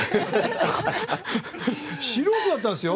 素人だったんですよ？